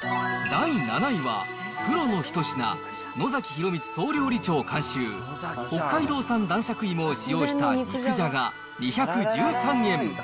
第７位は、プロのひと品、野崎洋光総料理長監修、北海道産男爵いもを使用した肉じゃが２１３円。